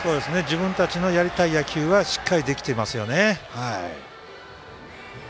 自分たちのやりたい野球がしっかりとできてますよね。